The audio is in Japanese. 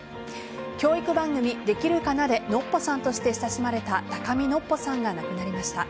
教育番組「できるかな」でノッポさんとして親しまれた高見のっぽさんが亡くなりました。